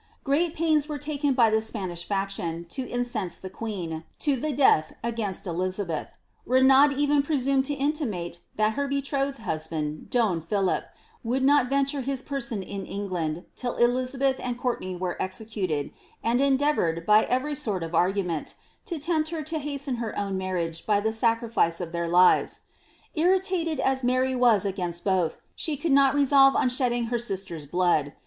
Great pains were taken by the Spanish faction to incense the queen, to the death, against Elizabeth ; Renaud even presumed to intimate that her betrothed husband, Don Philip, would not venture his person in England till Elizabeth and Courtenay were executed, and endeavoured, by every sort of argument, to tempt her to hasten her own nmrriage by the sacrifice of their lives. Irritated at Mary was against both, she could not resolve on shedding her sister s blood.